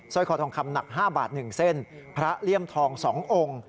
คอทองคำหนัก๕บาท๑เส้นพระเลี่ยมทอง๒องค์